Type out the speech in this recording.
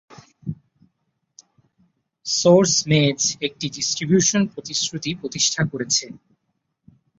Source mage একটি distribution প্রতিশ্রুতি প্রতিষ্ঠা করেছে।